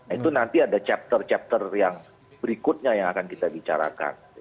itu nanti ada chapter chapter yang berikutnya yang akan kita bicarakan